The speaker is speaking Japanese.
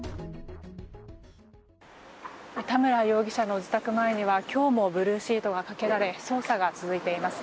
田村容疑者の自宅前には今日もブルーシートがかけられ捜査が続いています。